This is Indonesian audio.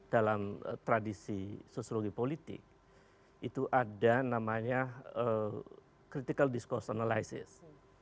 dalam tradisi sosiologi politik itu ada namanya critical discourse analysis